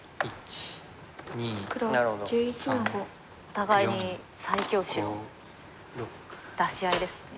お互いに最強手の出し合いですね。